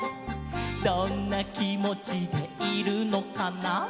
「どんなきもちでいるのかな」